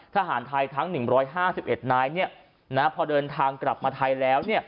ทหารไทยทั้ง๑๕๑นายพอเดินทางกลับมาไทยแล้ว